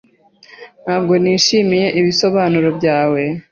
Ntabwo nishimiye ibisobanuro byawe.